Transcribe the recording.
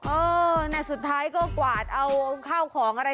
เออน่ะสุดท้ายก็กวาดเอาข้าวของอะไร